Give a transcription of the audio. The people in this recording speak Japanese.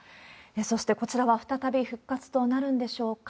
そして、こちらは再び復活となるんでしょうか。